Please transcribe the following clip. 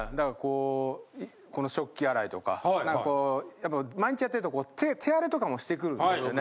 やっぱ毎日やってると手荒れとかもしてくるんですよね。